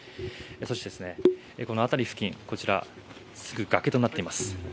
そしてこの辺り付近、こちらすぐ崖となっております。